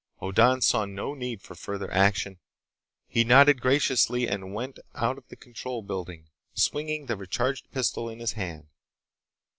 Hoddan saw no need for further action. He nodded graciously and went out of the control building, swinging the recharged pistol in his hand.